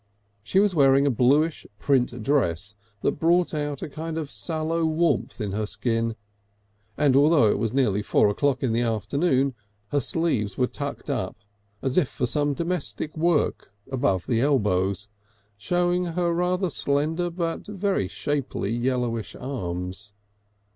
She was wearing a bluish print dress that brought out a kind of sallow warmth in her skin, and although it was nearly four o'clock in the afternoon, her sleeves were tucked up, as if for some domestic work, above the elbows, showing her rather slender but very shapely yellowish arms.